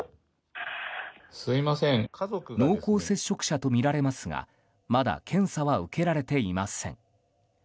濃厚接触者とみられますがまだ検査は受けられていません。